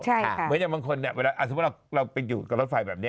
เมื่ออย่างบางคนเนี่ยอาจจะบอกว่าเราไปอยู่กับรถไฟแบบนี้